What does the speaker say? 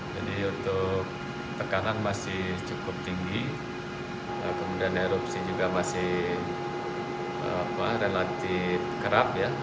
jadi untuk tekanan masih cukup tinggi kemudian erupsi juga masih relatif kerap ya